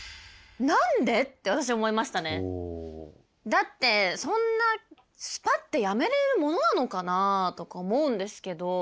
だってそんなスパッてやめれるものなのかなとか思うんですけど。